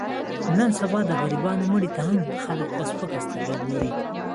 نن سبا د غریبانو مړي ته هم خلک په سپکه سترګه ګوري.